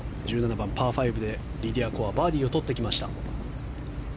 １７番、パー５でリディア・コはバーディーをとってきました。